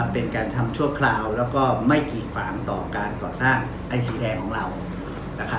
เป็นการทำชั่วคราวแล้วก็ไม่กีดขวางต่อการก่อสร้างไอ้สีแดงของเรา